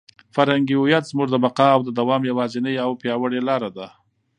فرهنګي هویت زموږ د بقا او د دوام یوازینۍ او پیاوړې لاره ده.